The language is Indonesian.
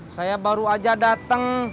saya baru aja dateng